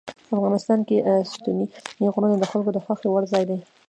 افغانستان کې ستوني غرونه د خلکو د خوښې وړ ځای دی.